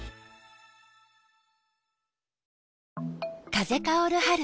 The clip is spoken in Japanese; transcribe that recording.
風薫る春。